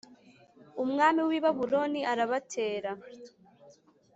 umwami w i Babuloni arabatera